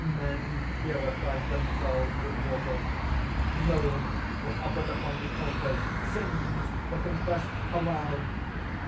Men purified themselves with water; loaves were offered upon the altars, sins were confessed aloud.